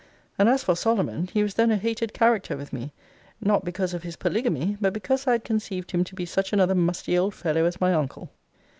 And as for Solomon, he was then a hated character with me, not because of his polygamy, but because I had conceived him to be such another musty old fellow as my uncle.